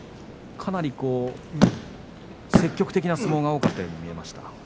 かなり積極的な相撲が多かったように見えました。